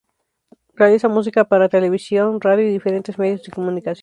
Realiza música para televisión, radio y diferentes medios de comunicación.